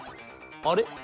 『あれ？